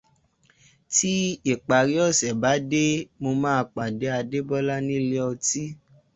Tí ìparí ọ̀sẹ̀ bá dé, mo máa pàdé Adébọ́lá ní ilé ọtí